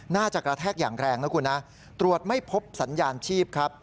กระแทกอย่างแรงนะคุณนะตรวจไม่พบสัญญาณชีพครับ